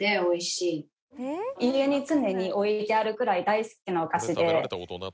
家に常に置いてあるぐらい大好きなお菓子で。